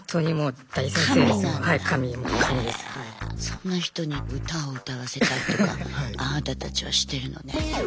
そんな人に歌を歌わせたりとかあなたたちはしてるのね。